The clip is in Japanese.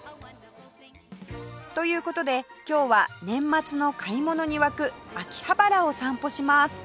という事で今日は年末の買い物に沸く秋葉原を散歩します